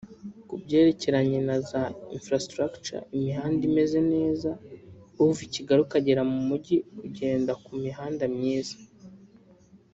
Ku byerekeranye na za infrastructure imihanda imeze neza uva i Kigali ukagera mu mijyi ugenda ku mihanda myiza